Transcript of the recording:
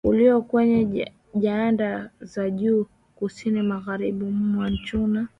ulio kwenye nyanda za juu kusini magharibi mwa China